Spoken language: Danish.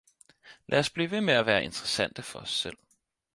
Lad os blive ved at være interessante for os selv